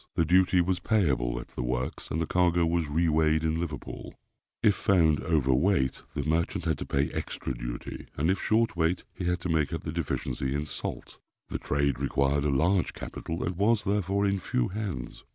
The duty was payable at the works, and the cargo was re weighed in Liverpool. If found over weight, the merchant had to pay extra duty; and if short weight, he had to make up the deficiency in salt. The trade required a large capital, and was, therefore, in few hands.